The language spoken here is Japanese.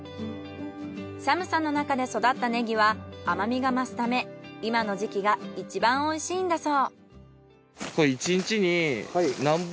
寒さの中で育ったネギは甘みが増すため今の時期が一番おいしいんだそう。